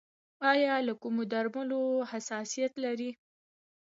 ایا له کومو درملو حساسیت لرئ؟